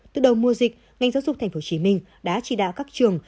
từ đầu mùa dịch ngành giáo dục tp hcm đã chỉ đạo các trường